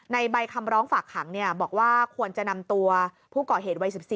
ใบคำร้องฝากขังบอกว่าควรจะนำตัวผู้ก่อเหตุวัย๑๔